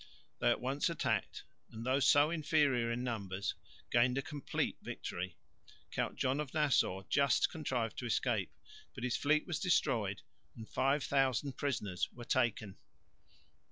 They at once attacked and though so inferior in numbers gained a complete victory. Count John of Nassau just contrived to escape, but his fleet was destroyed and 5000 prisoners were taken.